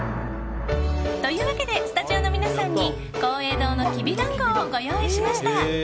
というわけでスタジオの皆さんに廣榮堂のきびだんごをご用意しました。